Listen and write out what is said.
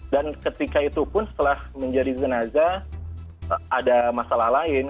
dan ketika itu pun setelah menjadi zanazah ada masalah lain